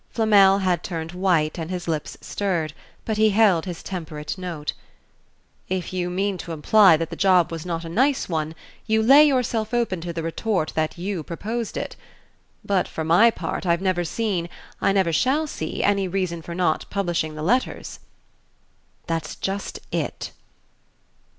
Flamel had turned white and his lips stirred, but he held his temperate note. "If you mean to imply that the job was not a nice one, you lay yourself open to the retort that you proposed it. But for my part I've never seen, I never shall see, any reason for not publishing the letters." "That's just it!"